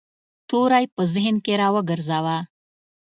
توری په ذهن کې را وګرځاوه.